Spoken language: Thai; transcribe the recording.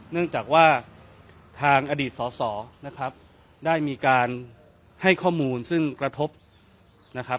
เนื่องจากว่าทางอดีตสอสอนะครับได้มีการให้ข้อมูลซึ่งกระทบนะครับ